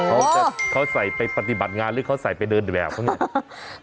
เขาจะเขาใส่ไปปฏิบัติงานหรือเขาใส่ไปเดินแบบเขาไง